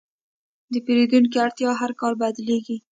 د پیرودونکو اړتیاوې هر کال بدلېږي.